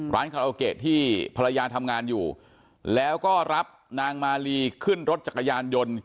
คาราโอเกะที่ภรรยาทำงานอยู่แล้วก็รับนางมาลีขึ้นรถจักรยานยนต์